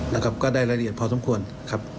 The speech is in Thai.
นะครับก็ได้ละเอียดพอสมควรครับ